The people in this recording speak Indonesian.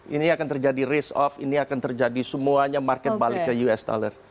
ini akan terjadi risk off ini akan terjadi semuanya market balik ke us dollar